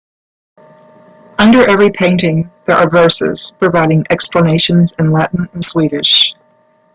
Under every painting there are verses providing explanations in Latin and Swedish.